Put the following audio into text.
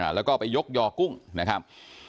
แล้วก็ไปยกยอกุ้งนะครับ